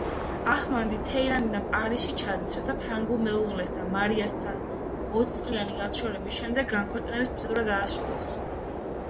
აჰმადი თეირანიდან პარიზში ჩადის ფრანგ მეუღლესთან, მარისთან, რათა ოთხწლიანი განშორების შემდეგ განქორწინების პროცედურა დაასრულოს.